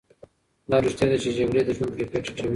دا رښتیا ده چې جګړې د ژوند کیفیت ټیټوي.